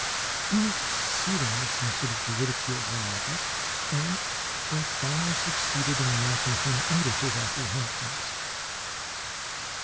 He was exceedingly sensitive to ridicule, however, and I finally succeeded in laughing him out of his apprehensions.